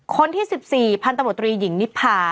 คนที่๑๔พันธมตรีหญิงนิพา